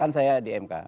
kan saya di mk